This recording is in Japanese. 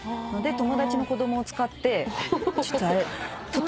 友達の子供まで使って。